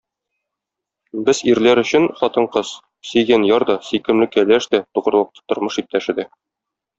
Без, ирләр өчен, хатын-кыз - сөйгән яр да, сөйкемле кәләш тә, тугрылыклы тормыш иптәше дә.